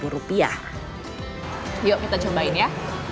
yuk kita cobain ya